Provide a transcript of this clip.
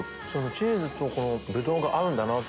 チーズとこのブドウが合うんだなって。